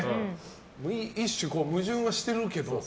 一種、矛盾はしてるけど。